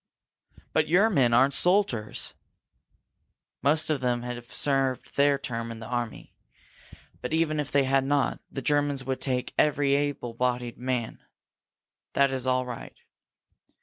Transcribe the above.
"But your men aren't soldiers!" "Most of them have served their term in the army. But, even if they had not, the Germans would take every able bodied man. That is all right.